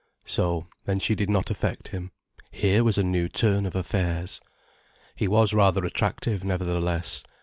So, then she did not affect him. Here was a new turn of affairs! He was rather attractive, nevertheless.